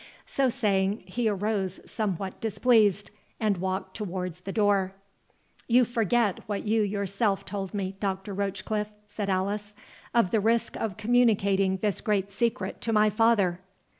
So saying, he arose somewhat displeased, and walked towards the door. "You forget what you yourself told me, Doctor Rochecliffe," said Alice, "of the risk of communicating this great secret to my father."